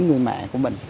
người mẹ của mình